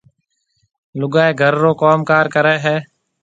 لُگائيَ گھر رو ڪوم ڪار ڪريَ هيَ۔